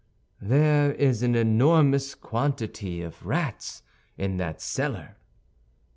"There is an enormous quantity of rats in that cellar."